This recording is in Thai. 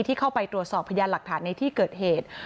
เข้าไปตรวจสอบพยานหลักฐานในที่เกิดเหตุ